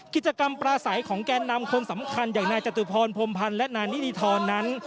กิจกรรมปลาใสของแกนนำคนสำคัญอย่างนายจตุพรพรมพันธ์และนายนิริธรนั้น